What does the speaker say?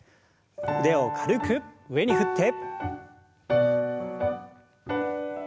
腕を軽く上に振って。